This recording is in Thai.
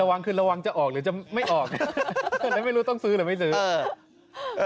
วางคือระวังจะออกหรือจะไม่ออกแล้วไม่รู้ต้องซื้อหรือไม่ซื้อ